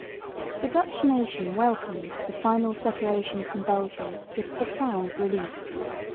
1842 1849 The Dutch nation welcomed the final separation from Belgium with profound relief.